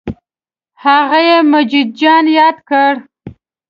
هغه یې مجید جان یاد کړ.